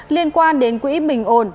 liên quan đến quỹ bình ổn